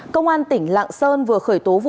công an tỉnh lạng sơn vừa khởi tố vụ